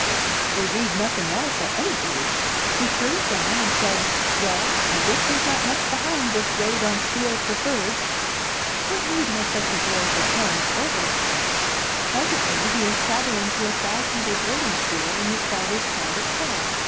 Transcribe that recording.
"They read nothing else at any age. He threw it down and said, 'Well, I guess there's not much behind this raid on Steel Preferred.' What need has such a boy for parents or grandparents? Presently he is travelling to a fashionable boarding school in his father's private car.